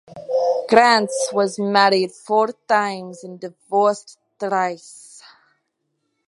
Krantz was married four times and divorced thrice.